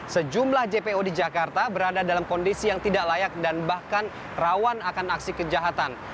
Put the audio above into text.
sejumlah jpo di jakarta berada dalam kondisi yang tidak layak dan bahkan rawan akan aksi kejahatan